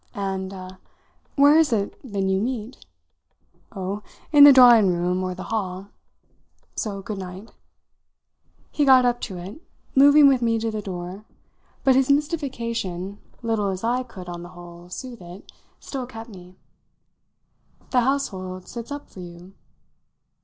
"And a where is it then you meet?" "Oh, in the drawing room or the hall. So good night." He got up to it, moving with me to the door; but his mystification, little as I could, on the whole, soothe it, still kept me. "The household sits up for you?"